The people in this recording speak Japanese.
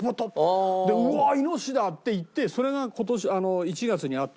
でうわあイノシシだっていってそれが今年１月にあって。